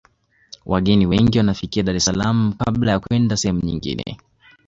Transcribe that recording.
wageni wengi wanafikia dar es salaam kabla ya kwenda sehemu nyingine